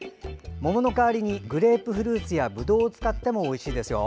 桃の代わりにグレープフルーツやぶどうを使ってもおいしいですよ。